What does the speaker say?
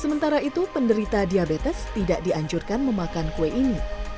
sementara itu penderita diabetes tidak dianjurkan memakan kue ini